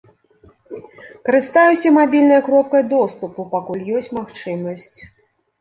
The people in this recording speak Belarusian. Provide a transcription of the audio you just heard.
Карыстаюся мабільнай кропкай доступу, пакуль ёсць магчымасць.